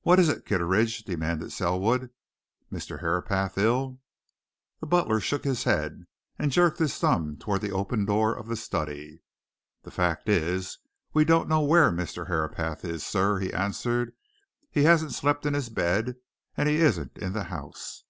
"What is it, Kitteridge?" demanded Selwood. "Mr. Herapath ill?" The butler shook his head and jerked his thumb towards the open door of the study. "The fact is, we don't know where Mr. Herapath is, sir," he answered. "He hasn't slept in his bed, and he isn't in the house."